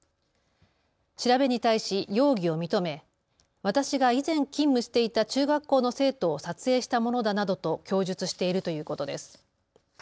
調べに対し容疑を認め私が以前、勤務していた中学校の生徒を撮影したものだなどと供述しているということです。